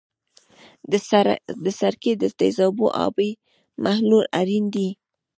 د سرکې د تیزابو آبي محلول اړین دی.